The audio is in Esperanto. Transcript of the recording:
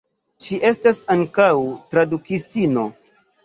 Ŝi estas ankaŭ tradukistino.